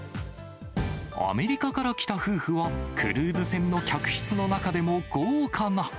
アメリカから来た夫婦は、クルーズ船の客室の中でも豪華な。